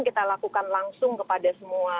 kita lakukan langsung kepada semua